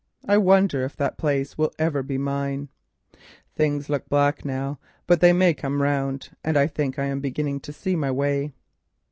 I wonder if that place will ever be mine. Things look black now, but they may come round, and I think I am beginning to see my way."